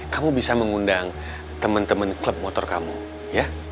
kamu bisa mengundang temen temen klub motor kamu ya